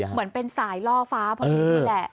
เหมือนเป็นสายล่อฟ้าพอดีแหละ